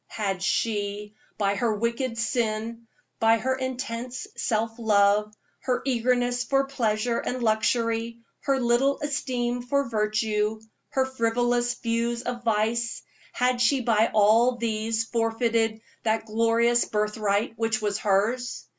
Had she, by her wicked sin, by her intense self love, her eagerness for pleasure and luxury, her little esteem for virtue, her frivolous views of vice had she by all these forfeited that glorious birth right which was hers?